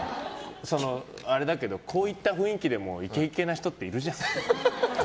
あれだけどこういった雰囲気でもイケイケな人っているじゃない。